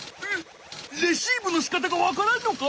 レシーブのしかたがわからんのか？